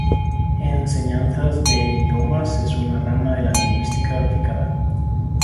Enseñanzas de idiomas es una rama de la lingüística aplicada.